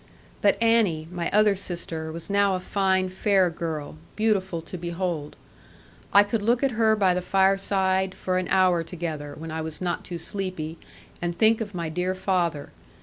But Annie, my other sister, was now a fine fair girl, beautiful to behold. I could look at her by the fireside, for an hour together, when I was not too sleepy, and think of my dear father.